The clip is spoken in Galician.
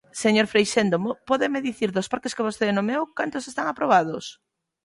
Señor Freixendo, pódeme dicir, dos parques que vostede nomeou, ¿cantos están aprobados?